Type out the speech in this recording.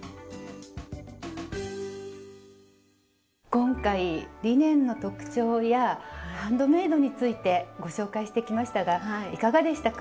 今回リネンの特徴やハンドメイドについてご紹介してきましたがいかがでしたか？